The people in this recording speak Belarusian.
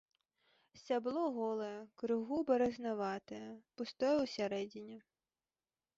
Сцябло голае, крыху баразнаватае, пустое ў сярэдзіне.